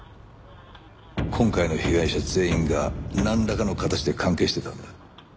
今回の被害者全員がなんらかの形で関係してたんだ。